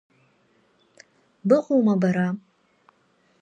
Быҟоума, бара?